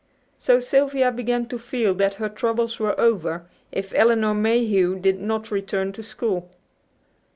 So Sylvia began to feel that her troubles were over, if Elinor Mayhew did not return to school.